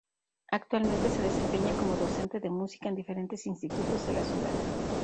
Actualmente se desempeña como docente de música en diferentes institutos de la ciudad.